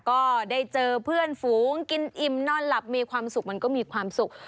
ก็ได้เจอเพื่อนฝูงกินอิ่มนอนหลับมีความสุขมันก็มีความสุข